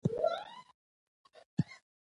د امیدوارۍ د فشار لپاره باید څه وکړم؟